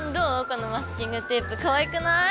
このマスキングテープかわいくない？